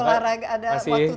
mesti olahraga ada waktu dulu